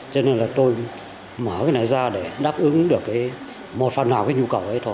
cho nên là tôi mở cái này ra để đáp ứng được một phần nào cái nhu cầu ấy thôi